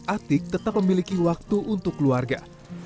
atik tetap memiliki waktu untuk keluarga